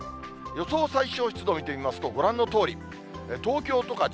予想最小湿度見てみますと、ご覧のとおり。